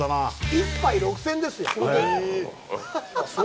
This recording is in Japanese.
１杯、６０００円ですよ。